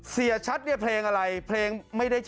เสียชัดเนี่ยเพลงอะไร